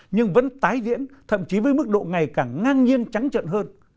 nhưng vẫn tái diễn thậm chí với mức độ ngày càng ngang nhiên trắng trợn hơn